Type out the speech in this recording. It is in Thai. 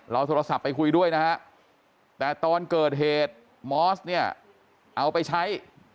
โทรศัพท์ไปคุยด้วยนะฮะแต่ตอนเกิดเหตุมอสเนี่ยเอาไปใช้